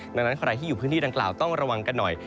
ดังนั้นใครที่อยู่พื้นที่ดังกล่าวต้องระวังกันหน่อย